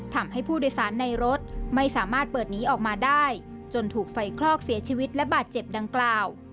ทำให้ผู้โดยสารในรถไม่สามารถเปิดหนีออกมาได้จนถูกไฟคลอกเสียชีวิตและบาดเจ็บดังกล่าว